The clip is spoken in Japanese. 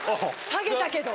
下げたけど。